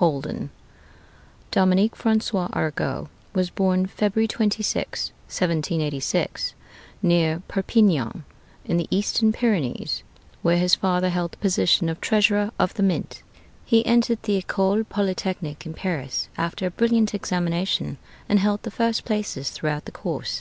HOLDEN Dominique François Arago was born February 26th, 1786, near Perpignan, in the Eastern Pyrenees, where his father held the position of Treasurer of the Mint. He entered the École Polytechnique in Paris after a brilliant examination, and held the first places throughout the course.